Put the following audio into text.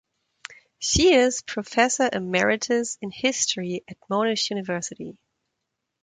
She is professor emeritus in history at Monash University.